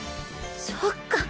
そっか！